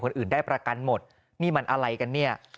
คนอื่นได้ประกันหมดนี่มันอะไรกันเนี่ย